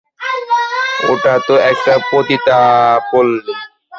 ওটা তো একটা পতিতাপল্লী।